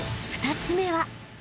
［２つ目は］